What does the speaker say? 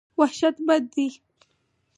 وحشت بد دی.